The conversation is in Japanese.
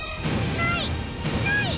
ない！